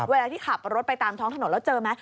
เวลาที่ขับรถไปตามท้องถนนแล้วเจอไหม